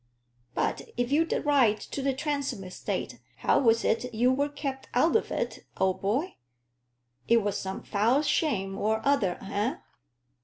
"But if you'd a right to the Transome estate, how was it you were kept out of it, old boy? It was some foul shame or other, eh?"